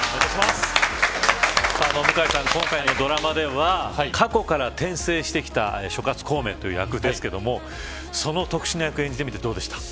向井さん、今回のドラマでは過去から転生してきた諸葛孔明という役ですけどその特殊な役演じてみてどうでしたか。